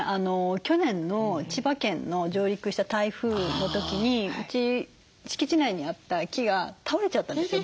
去年の千葉県の上陸した台風の時にうち敷地内にあった木が倒れちゃったんですよ